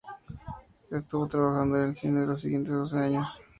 Estuvo trabajando en el cine en los siguientes doce años.